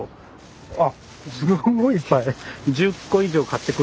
あっすごいいっぱい。